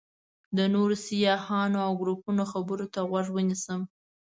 د نورو سیاحانو او ګروپونو خبرو ته غوږ ونیسم.